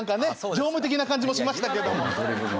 業務的な感じもしましたけども。